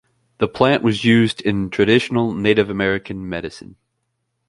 The plant was used in traditional Native American medicine.